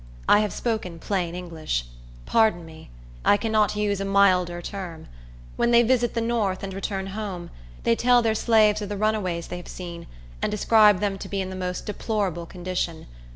I have spoken plain English. Pardon me. I cannot use a milder term. When they visit the north, and return home, they tell their slaves of the runaways they have seen, and describe them to be in the most deplorable condition.